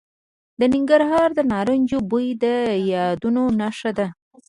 د ننګرهار د نارنجو بوی د یادونو نښه ده.